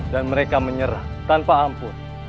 dan mereka menyerah tanpa ampun